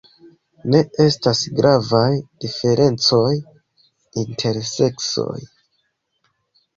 Ne estas gravaj diferencoj inter seksoj.